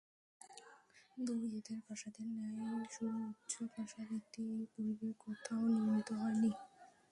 দুই, এদের প্রাসাদের ন্যায় সুউচ্চ প্রাসাদ ইতিপূর্বে কোথাও নির্মিত হয়নি।